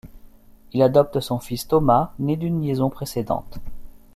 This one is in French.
Il adopte son fils Thomas, né d'une liaison précédente.